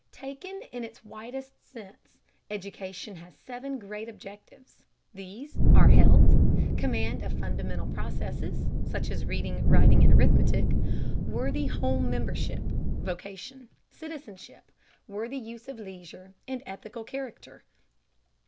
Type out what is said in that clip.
Taken in its widest sense, education has seven great objectives. These are health, command of fundamental processes (such as reading, writing, and arithmetic), worthy home membership, vocation, citizenship, worthy use of leisure, and ethical character.